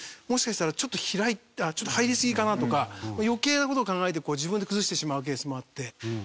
もしかしたらちょっと入りすぎかな？とか余計な事を考えて自分で崩してしまうケースもあって。